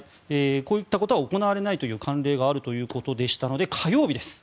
こういったことは行われないという慣例があるということでしたので火曜日です。